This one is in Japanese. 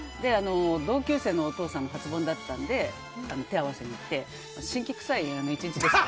同級生のお父さんが初盆だったので手を合わせに行って辛気臭い１日でした。